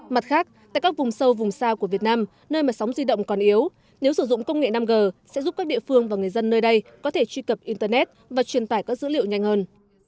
mặt khác tại các vùng sâu vùng xa của việt nam nơi mà sóng di động còn yếu nếu sử dụng công nghệ năm g sẽ giúp các địa phương và người dân nơi đây có thể truy cập internet và truyền tải các dữ liệu nhanh hơn